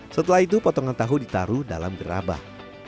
setelah itu potongan tahu ditaruh dalam gerabah